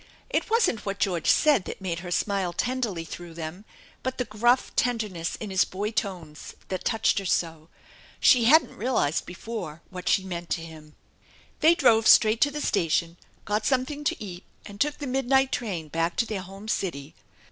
It wasn't what George said that made her smile tenderly through them, but the gruff tenderness in his boy tones that touched her so. She hadn't realized before what she meant to him. They drove straight to the station, got something to eat, and took the midnight train back to their home city.